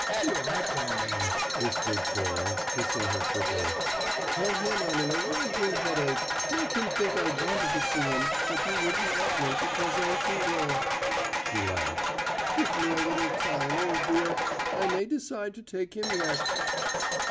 "You're a darling," whispered Cora, kissing her quickly. "Tell him I'm in a raging headache make him think I wanted to see him, but you wouldn't let me, because I'm too ill." She laughed. "Give me a little time, old dear: I may decide to take him yet!"